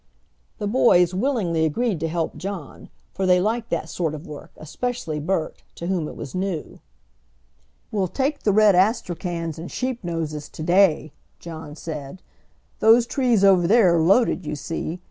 The boys willingly agreed to help John, for they liked that sort of work, especially Bert, to whom it was new. "We'll take the red astrachans and sheepnoses to day," John said. "Those trees over there are loaded, you see.